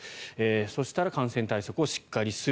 そしたら感染対策をしっかりする。